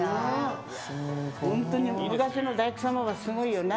本当に昔の大工様はすごいよな。